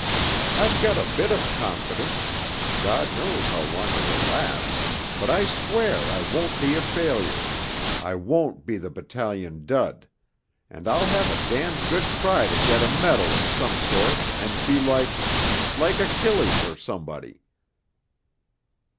I've got a bit of confidence God knows how long it will last but I swear I won't be a failure, I won't be the battalion dud and I'll have a damned good try to get a medal of some sort and be like like Achilles or somebody.'